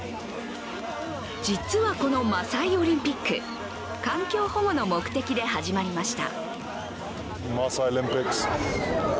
実はこのマサイ・オリンピック、環境保護の目的で始まりました。